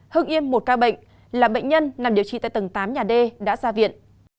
hưng yên một ca bệnh là bệnh nhân nằm điều trị tại tầng tám nhà d đã ra viện